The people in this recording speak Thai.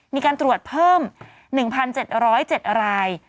มีการตรวจเพิ่ม๑๗๐๗ราย